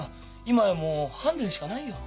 今やもうハンデでしかないよ。